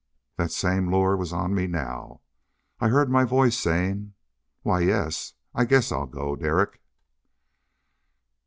That same lure was on me now. I heard my voice saying, "Why yes, I guess I'll go, Derek."